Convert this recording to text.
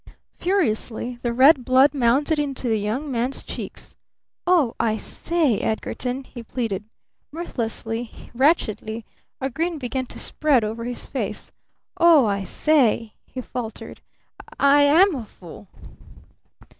Furiously the red blood mounted into the Young Man's cheeks. "Oh, I say, Edgarton!" he pleaded. Mirthlessly, wretchedly, a grin began to spread over his face. "Oh, I say!" he faltered. "I am a fool!"